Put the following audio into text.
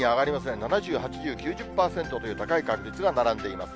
７０、８０、９０％という高い確率が並んでいます。